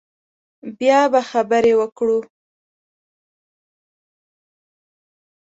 بیا به خبرې وکړو